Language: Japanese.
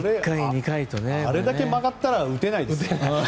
あれだけ曲がったら打てないですよね。